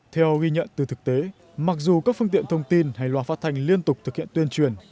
theo ghi nhận từ thực tế mặc dù các phương tiện thông tin hay loà phát thanh liên tục thực hiện tuyên truyền